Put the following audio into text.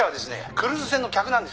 クルーズ船の客なんですよ」